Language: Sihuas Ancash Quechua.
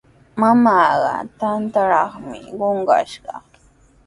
Mamaaqa trakratrawmi qunqashqa.